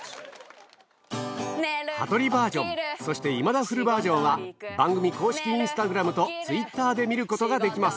羽鳥バージョン、そして今田フルバージョンは、番組公式インスタグラムとツイッターで見ることができます。